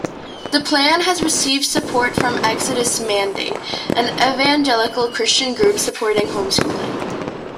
The plan has received support from Exodus Mandate, an evangelical Christian group supporting home-schooling.